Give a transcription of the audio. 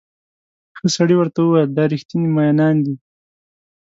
ښه سړي ورته وویل دا ریښتیني مئینان دي.